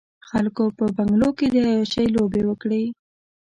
خلکو په بنګلو کې د عياشۍ لوبې وکړې.